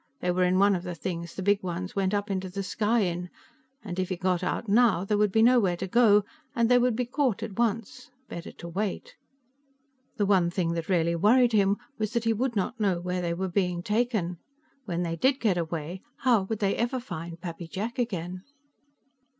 They were in one of the things the Big Ones went up into the sky in, and if he got out now, there would be nowhere to go and they would be caught at once. Better to wait. The one thing that really worried him was that he would not know where they were being taken. When they did get away, how would they ever find Pappy Jack again?